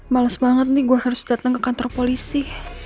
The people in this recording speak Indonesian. males banget nih gue harus datang ke kantor polisi